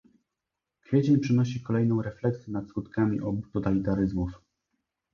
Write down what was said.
Kwiecień przynosi kolejną refleksję nad skutkami obu totalitaryzmów